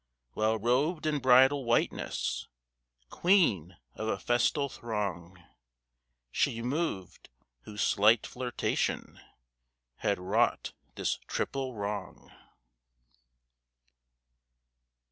While robed in bridal whiteness, Queen of a festal throng, She moved, whose slight flirtation Had wrought this triple wrong.